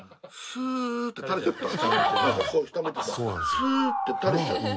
スーッて垂れちゃって。